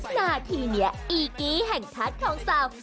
หน้าที่เนี่ยอีกี้แห่งทัศน์ของสาว